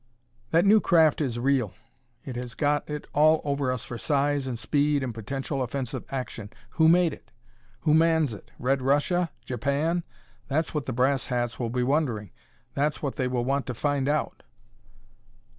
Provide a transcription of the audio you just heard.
"That new craft is real. It has got it all over us for size and speed and potential offensive action. Who made it? Who mans it? Red Russia? Japan? That's what the brass hats will be wondering; that's what they will want to find out.